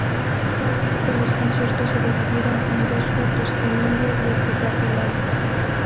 Nuevamente los conciertos se dividieron en dos fotos, el Indio y el Tecate Light.